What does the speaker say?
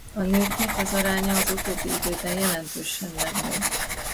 A nőknek az aránya az utóbbi időben jelentősen megnőtt.